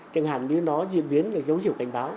chẳng hạn như nó diễn biến là dấu hiệu cảnh báo